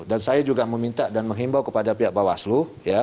dan saya juga meminta dan menghimbau kepada pihak bawaslu